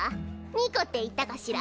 ニコっていったかしら。